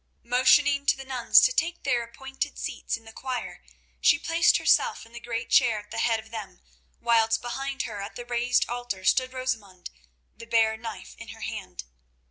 Motioning to the nuns to take their appointed seats. in the choir she placed herself in the great chair at the head of them, whilst behind her at the raised altar stood Rosamund, the bare knife in her hand.